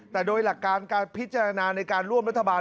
แต่โดยหลักการการพิจารณาในการร่วมรัฐบาล